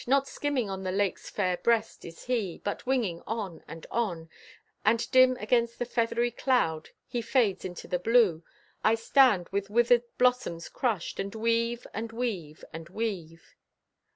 Not skimming on the lake's fair breast is he, But winging on and on, And dim against the feathery cloud He fades into the blue. I stand with withered blossoms crushed, And weave and weave and weave.